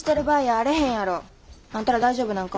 あんたら大丈夫なんか？